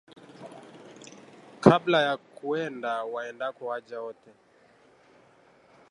Kabla ya kuenda waendako waja wote